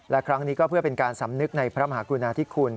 และครั้งนี้ก็เพื่อเป็นการสำนึกในพระมหากรุณาธิคุณ